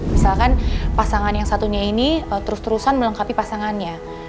misalkan pasangan yang satunya ini terus terusan melengkapi pasangannya